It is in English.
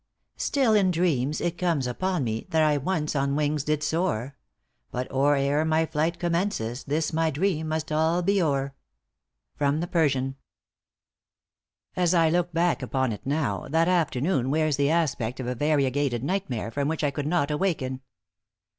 * Still in dreams it comes upon me that I once on wings did soar; But or e'er my flight commences this my dream must all be o'er. From the Persian. As I look back upon it now, that afternoon wears the aspect of a variegated nightmare, from which I could not awaken.